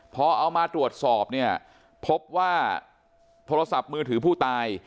พอเอามาตรวจสอบเนี่ยพบว่าโทรศัพท์มือถือผู้ตาย